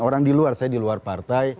orang di luar saya di luar partai